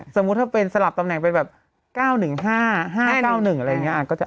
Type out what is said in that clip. สมมุติถ้าเป็นสลับตำแหน่งเป็นแบบ๙๑๕๕๙๑อะไรอย่างนี้